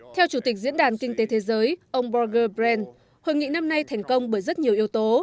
theo chủ tịch diễn đàn kinh tế thế giới ông borrge bren hội nghị năm nay thành công bởi rất nhiều yếu tố